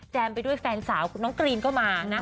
ไปด้วยแฟนสาวน้องกรีนก็มานะ